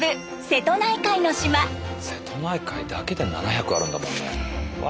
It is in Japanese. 瀬戸内海だけで７００あるんだもんね。